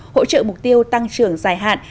hỗ trợ mục tiêu tăng trưởng dài hạn